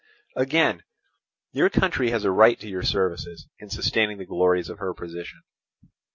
"Again, your country has a right to your services in sustaining the glories of her position.